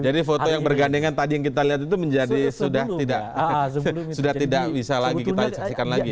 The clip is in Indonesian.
jadi foto yang bergandengan tadi yang kita lihat itu sudah tidak bisa lagi kita saksikan lagi ya